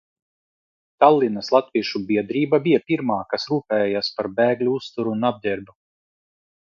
Tallinas latviešu biedrība bija pirmā, kas rūpējās par bēgļu uzturu un apģērbu.